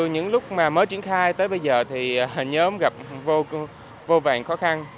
những lúc mà mới triển khai tới bây giờ thì hình nhóm gặp vô vàng khó khăn